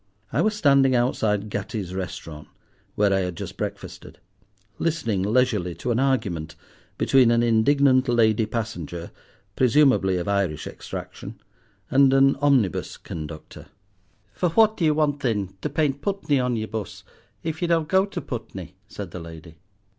I was standing outside Gatti's Restaurant, where I had just breakfasted, listening leisurely to an argument between an indignant lady passenger, presumably of Irish extraction, and an omnibus conductor. "For what d'ye want thin to paint Putney on ye'r bus, if ye don't go to Putney?" said the lady.